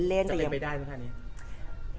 จะเล่นไปได้ประมาณนี้